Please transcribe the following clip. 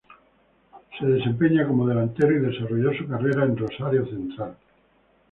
Se desempeñaba como delantero y desarrolló su carrera en Rosario Central.